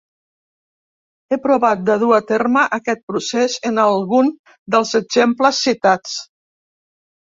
He provat de dur a terme aquest procés en algun dels exemples citats.